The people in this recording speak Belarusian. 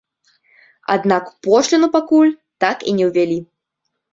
Аднак пошліну пакуль так і не ўвялі.